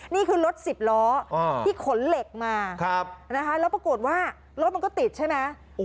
นี่คือรถสิบล้อที่ขนเหล็กมานะคะแล้วปรากฏว่ารถมันก็ติดใช่ไหม